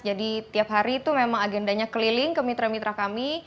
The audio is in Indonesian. jadi tiap hari itu memang agendanya keliling ke mitra mitra kami